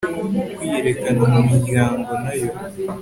kwiyerekana mu miryango nayo